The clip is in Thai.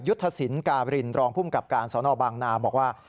ยุทธศิลป์กาเบรินรองพุ่มกับการสนบางนาวบอกว่า